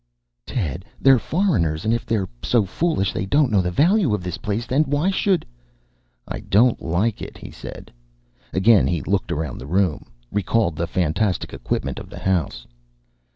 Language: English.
"Ted, they're foreigners. And if they're so foolish they don't know the value of this place, then why should " "I don't like it," he said. Again he looked around the room, recalled the fantastic equipment of the house.